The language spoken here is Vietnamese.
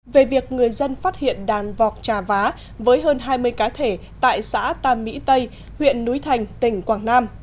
về việc người dân phát hiện đàn vọc trà vá với hơn hai mươi cá thể tại xã tam mỹ tây huyện núi thành tỉnh quảng nam